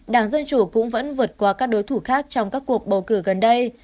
đảng dân chủ cũng vẫn vượt qua các đối thủ khác trong các cuộc bầu cử gần đây